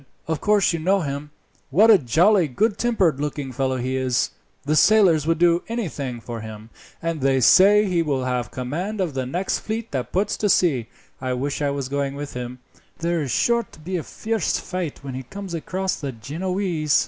"Of course you know him. What a jolly, good tempered looking fellow he is! The sailors would do anything for him, and they say he will have command of the next fleet that puts to sea. I wish I was going with him. There is sure to be a fierce fight when he comes across the Genoese.